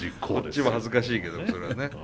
こっちも恥ずかしいけどそれはね。